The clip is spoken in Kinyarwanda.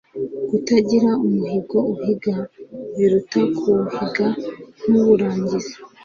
kutagira umuhigo uhiga, biruta kuwuhiga ntuwurangize